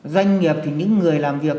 doanh nghiệp thì những người làm việc